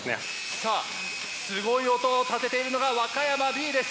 さあすごい音を立てているのが和歌山Ｂです。